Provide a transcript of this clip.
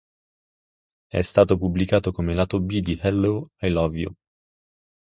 È stato pubblicato come lato-B di "Hello, I Love You".